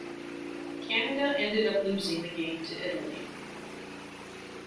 Canada ended up losing the game to Italy.